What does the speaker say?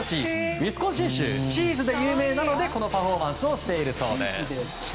ウィスコンシン州はチーズで有名なのでこのパフォーマンスをしているそうです。